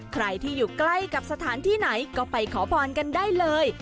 ใครที่อยู่ใกล้กับสถานที่ไหนก็ไปขอพรกันได้เลย